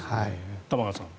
玉川さん。